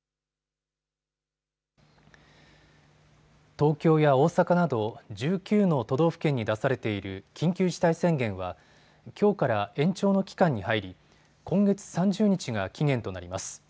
東京や大阪など１９の都道府県に出されている緊急事態宣言はきょうから延長の期間に入り今月３０日が期限となります。